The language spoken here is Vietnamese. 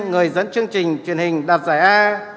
người dẫn chương trình truyền hình đạt giải a